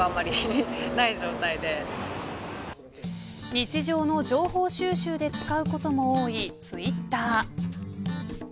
日常の情報収集で使うことも多いツイッター。